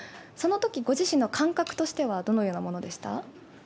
そのとき、ご自身の感覚としてはどのようなものでした？